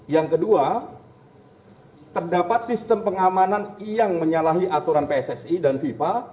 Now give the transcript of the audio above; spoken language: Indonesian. yang kedua terdapat sistem pengamanan yang menyalahi aturan pssi dan fifa